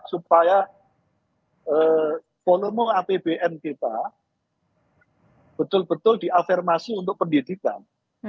supaya volume apbn kita betul betul diafirmasi untuk pendidikan